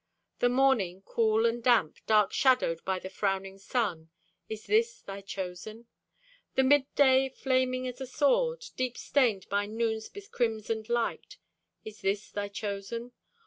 The morning, cool and damp, dark shadowed By the frowning sun—is this thy chosen? The midday, flaming as a sword, Deep stained by noon's becrimsoned light— Is this thy chosen?